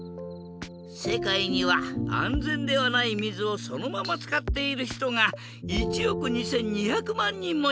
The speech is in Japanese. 世界には安全ではない水をそのまま使っている人が１億２２００万人もいるんだ。